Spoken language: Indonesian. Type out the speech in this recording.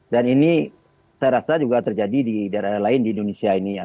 ini saya rasa juga terjadi di daerah lain di indonesia ini ya